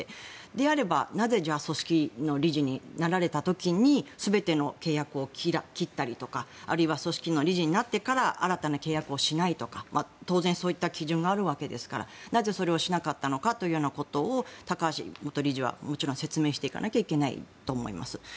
であれば、なぜ組織の理事になられた時に全ての契約を切ったりとかあるいは組織の理事になってから新たな契約をしないとか当然、そういった基準があるわけですからなぜそれをしなかったのかということを、高橋元理事はもちろん説明していかなければいけないと思います。